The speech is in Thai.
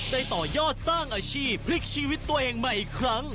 ต่อยอดสร้างอาชีพพลิกชีวิตตัวเองใหม่อีกครั้ง